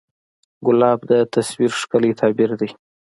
ګلاب د تصور ښکلی تعبیر دی.